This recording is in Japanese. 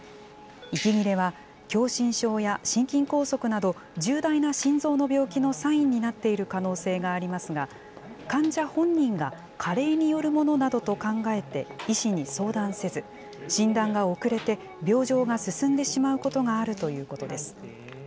息切れは、狭心症や心筋梗塞など、重大な心臓の病気のサインになっている可能性がありますが、患者本人が加齢によるものなどと考えて医師に相談せず、診断が遅れて病状が進んでしまうことがあるということです。